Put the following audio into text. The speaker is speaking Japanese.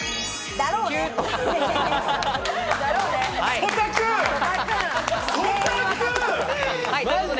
だろうね。